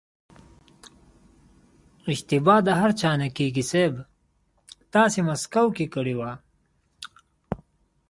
اشتبا د هر چا نه کېږي صيب تاسې مسکو کې کړې وه.